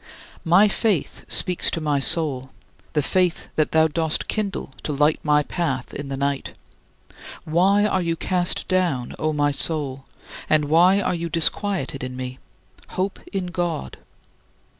My faith speaks to my soul the faith that thou dost kindle to light my path in the night: "Why are you cast down, O my soul, and why are you disquieted in me? Hope in God."